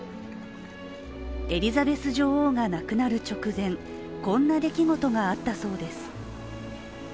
エリザベス女王が亡くなる直前こんな出来事があったそうです。